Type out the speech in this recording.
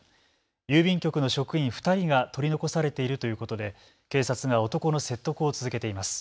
郵便局の職員２人が取り残されているということで警察が男の説得を続けています。